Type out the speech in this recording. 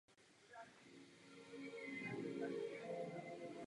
Chtěl bych poděkovat zpravodajce za vynikající zprávu.